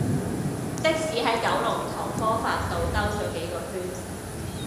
的士喺九龍塘科發道兜左幾個圈